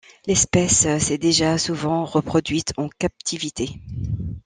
L'espèce s'est déjà souvent reproduite en captivité.